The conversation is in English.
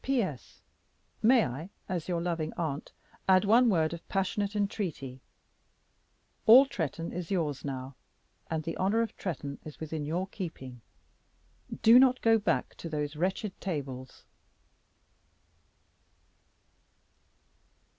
"P.S. May I as your loving aunt add one word of passionate entreaty? All Tretton is yours now, and the honor of Tretton is within your keeping. Do not go back to those wretched tables!"